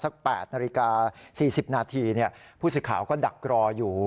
๘นาฬิกา๔๐นาทีผู้สื่อข่าวก็ดักรออยู่